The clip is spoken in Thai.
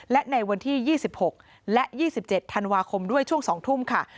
และในวันที่๒๖และ๒๗ธันวาคมด้วยช่วง๒ทุ่มค่ะ